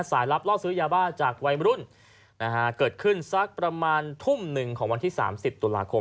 รับล่อซื้อยาบ้าจากวัยรุ่นนะฮะเกิดขึ้นสักประมาณทุ่มหนึ่งของวันที่๓๐ตุลาคม